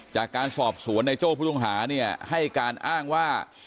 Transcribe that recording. จากการสอบสวนในโจ้ผู้ต้องหาเนี่ยให้การอ้างว่า